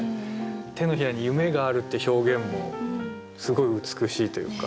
「手のひらに夢がある」って表現もすごい美しいというか。